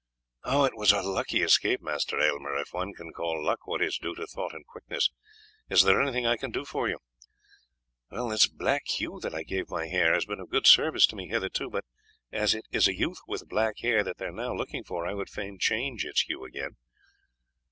"It was a lucky escape, Master Aylmer, if one can call luck what is due to thought and quickness. Is there anything I can do for you?" "This black hue that I gave my hair has been of good service to me hitherto, but as it is a youth with black hair that they are now looking for, I would fain change its hue again."